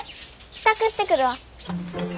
支度してくるわ。